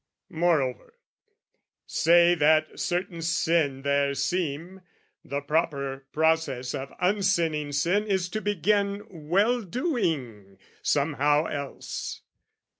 Moreover, say that certain sin there seem, The proper process of unsinning sin Is to begin well doing somehow else.